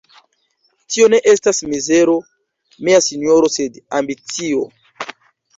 Tio ne estas mizero, mia sinjoro, sed ambicio!